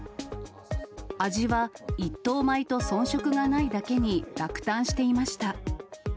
味は一等米と遜色がないだけに落胆していました。